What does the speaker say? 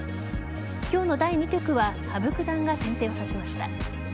今日の第２局は羽生九段が先手を指しました。